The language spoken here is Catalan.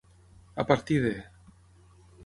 A partir de.